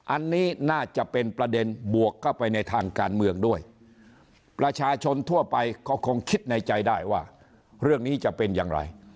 อันนี้น่าจะเป็นประเด็นบวกเข้าไปในทางการเมืองด้วยประชาชนทั่วไปก็คงคิดในใจได้ว่าเรื่องนี้จะเป็นอย่างไร